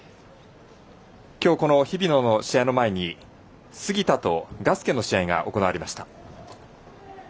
きょう、この日比野の試合の前に杉田とガスケの試合が行われました。